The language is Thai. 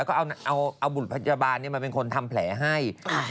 ก็เอาบุหรษพยาบาลเนี่ยมาเป็นคนทำแผลให้